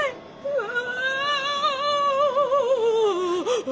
うわ。